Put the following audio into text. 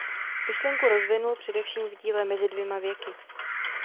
Myšlenku rozvinul především v díle Mezi dvěma věky.